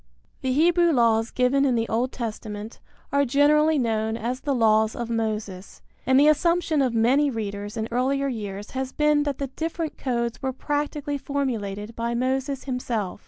The Hebrew laws given in the Old Testament are generally known as the laws of Moses, and the assumption of many readers in earlier years has been that the different codes were practically formulated by Moses himself.